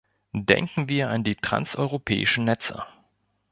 Denken wir an die transeuropäischen Netze.